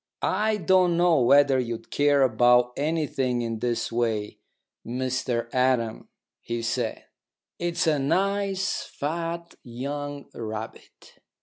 "I don't know whether you'd care about anything in this way, Mr Adam," he said. "It's a nice fat young rabbit."